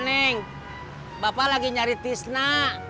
enggak bapak lagi cari tisna